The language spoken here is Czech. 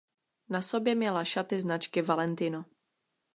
Na sobě měla šaty značky Valentino.